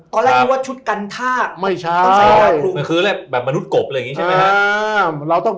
ตอนแรกอยากว่าชุดกรรทาต์ไม่เข้าทางผู้เก็บคือแบบมันุษย์กลเปล่า